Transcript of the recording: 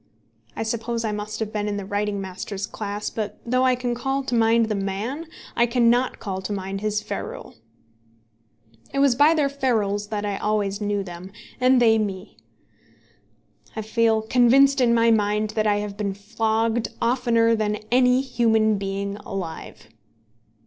I suppose I must have been in the writing master's class, but though I can call to mind the man, I cannot call to mind his ferule. It was by their ferules that I always knew them, and they me. I feel convinced in my mind that I have been flogged oftener than any human being alive.